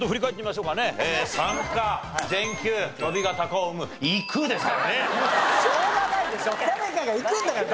しょうがないでしょ！